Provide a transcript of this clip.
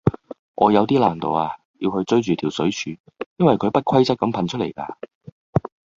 我有啲難度呀，要去追咗條水柱，因為佢不規則咁噴出嚟㗎